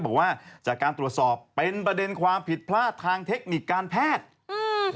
บอกว่าจากการตรวจสอบเป็นประเด็นความผิดพลาดทางเทคนิคการแพทย์อืม